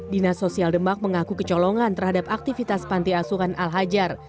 dinas sosial demak mengaku kecolongan terhadap aktivitas panti asuhan al hajar